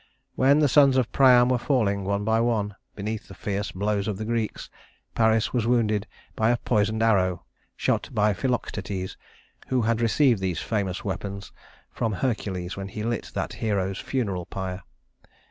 When the sons of Priam were falling, one by one, beneath the fierce blows of the Greeks, Paris was wounded by a poisoned arrow shot by Philoctetes, who had received these famous weapons from Hercules when he lit that hero's funeral pyre.